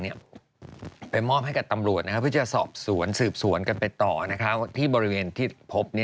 ก็ไปมอบให้กับตำรวจเพื่อจะที่บริเวณที่พบ